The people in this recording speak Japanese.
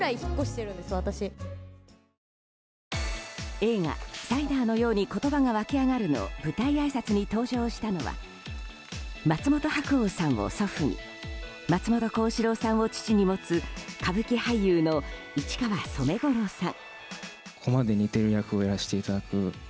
映画「サイダーのように言葉が湧き上がる」の舞台あいさつに登場したのは松本白鸚さんを祖父に松本幸四郎さんを父に持つ歌舞伎俳優の市川染五郎さん。